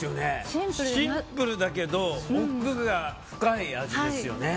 シンプルだけど奥が深い味ですよね。